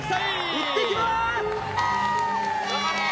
行ってきます！